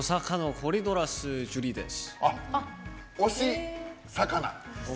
コリドラスジュリーです。